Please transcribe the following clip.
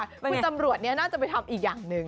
คุณตำรวจน่าจะไปทำอีกอย่างหนึ่ง